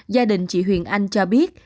gia đình huyền anh bác của bé gái cho biết